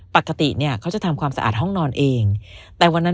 ปกติเนี่ยเขาจะทำความสะอาดห้องนอนเองแต่วันนั้น